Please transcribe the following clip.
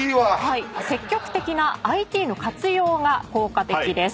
積極的なＩＴの活用が効果的です。